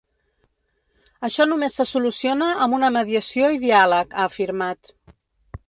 Això només se soluciona amb una mediació i diàleg, ha afirmat.